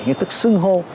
nghi thức xưng hô